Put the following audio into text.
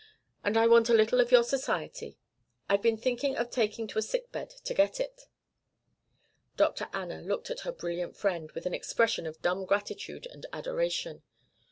And I want a little of your society. I've been thinking of taking to a sick bed to get it." Dr. Anna looked at her brilliant friend with an expression of dumb gratitude and adoration.